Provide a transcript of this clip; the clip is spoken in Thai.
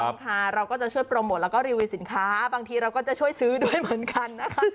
ค่ะเราก็จะช่วยโปรโมทแล้วก็รีวิวสินค้าบางทีเราก็จะช่วยซื้อด้วยเหมือนกันนะคะ